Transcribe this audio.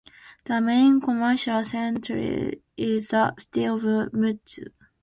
The main commercial centre is the city of Mutsu.